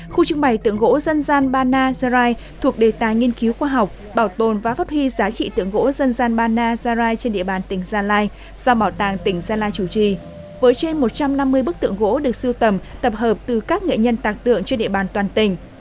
khu trưng bày tượng gỗ dân gian bana zarai thuộc đề tài nghiên cứu khoa học bảo tồn và phát huy giá trị tượng gỗ dân gian bana zarai trên địa bàn tỉnh gia lai do bảo tàng tỉnh gia lai chủ trì với trên một trăm năm mươi bức tượng gỗ được siêu tầm tập hợp từ các nghệ nhân tạc tượng trên địa bàn toàn tỉnh